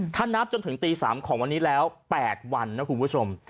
ถ้านับจนถึงตี๓ของวันนี้แล้ว๘วันนะคุณผู้ชม